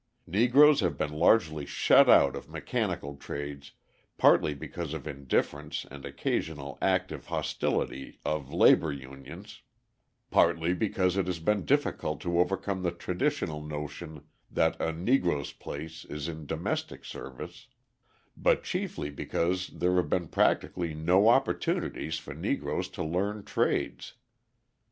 Negroes have been largely shut out of mechanical trades partly because of indifference and occasional active hostility of labour unions, partly because it has been difficult to overcome the traditional notion that a 'Negro's place' is in domestic service, but chiefly because there have been practically no opportunities for Negroes to learn trades.